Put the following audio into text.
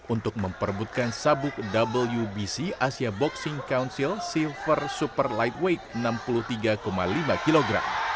untuk memperbutkan sabuk wbc asia boxing council silver super lightweight enam puluh tiga lima kg